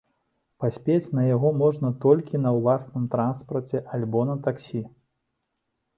Паспець на яго можна толькі на ўласным транспарце альбо на таксі.